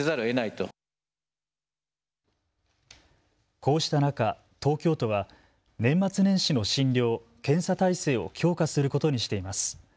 こうした中、東京都は年末年始の診療・検査体制を強化することにしています。